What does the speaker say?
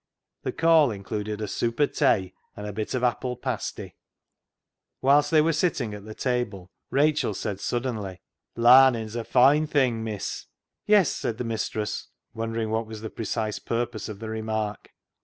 The call included a " soop o' tay " and a bit of apple pasty. Whilst they were sitting at the table Rachel said suddenly —" Larnin's a foine thing, miss." Yes," said the mistress, wondering what was the precise purpose of the remark.